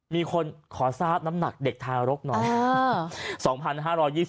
มีคนขอทราบน้ำหนักเด็กทารกหน่อย